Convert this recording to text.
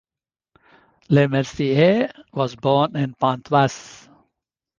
Lemercier was born in Pontoise.